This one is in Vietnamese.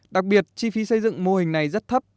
đặc biệt chi phí xây dựng mô hình này rất thấp